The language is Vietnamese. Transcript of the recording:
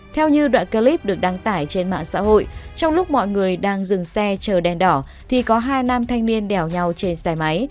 trước khi mọi người đang dừng xe chờ đen đỏ thì có hai nam thanh niên đèo nhau trên xe máy